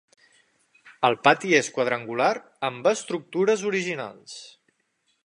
El pati és quadrangular amb estructures originals.